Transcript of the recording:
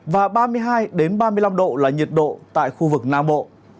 và ba mươi hai ba mươi năm độ là nhiệt độ tại khu vực nam bộ